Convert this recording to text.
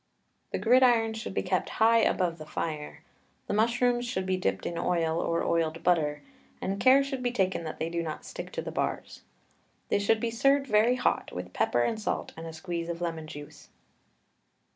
The gridiron should be kept high above the fire. The mushrooms should be dipped in oil, or oiled butter, and care should be taken that they do not stick to the bars. They should be served very hot, with pepper and salt and a squeeze of lemon juice.